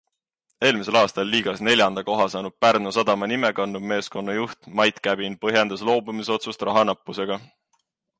Eelmisel aastal liigas neljanda koha saanud Pärnu Sadama nime kandnud meeskonna juht Mait Käbin põhjendas loobumisotsust raha nappusega.